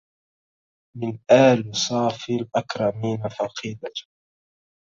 من آل صافي الأكرمين فقيدة